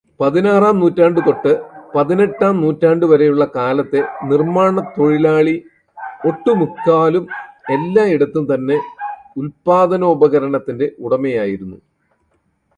പതിനാറാം നൂറ്റാണ് തൊട്ട് പതിനെട്ടാം നൂറ്റാണ്ട് വരെയുള്ള കാലത്തെ നിർമ്മാണത്തൊഴിലാളി ഒട്ടുമുക്കാലും എല്ലായിടത്തും തന്റെ ഉല്പാദനോപകരണത്തിന്റെ ഉടമയായിരുന്നു.